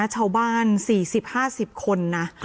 ชาวบ้าน๔๐๕๐คนนะ